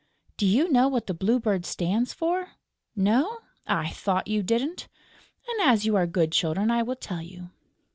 Do you know what the Blue Bird stands for? No? I thought you didn't; and, as you are good children, I will tell you."